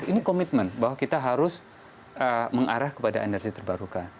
ini komitmen bahwa kita harus mengarah kepada energi terbarukan